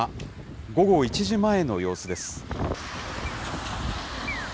午後１時前の様子です。